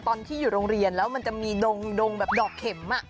ตอนที่อยู่โรงเรียนแล้วมันจะมีดงแบบดอกเข็ม